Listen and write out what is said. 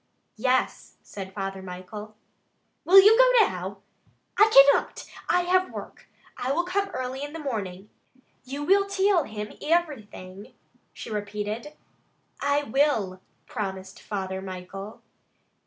"Yes," said Father Michael. "Will you go now?" "I cannot! I have work. I will come early in the morning." "You will till him ivirything?" she repeated. "I will," promised Father Michael.